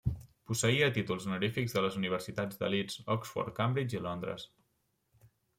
Posseïa títols honorífics de les Universitats de Leeds, Oxford, Cambridge i Londres.